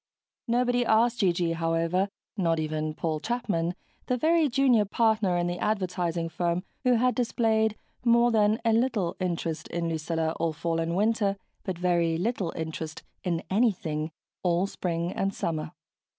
Nobody asked G.G. however not even Paul Chapman, the very junior partner in the advertising firm, who had displayed more than a little interest in Lucilla all fall and winter, but very little interest in anything all spring and summer.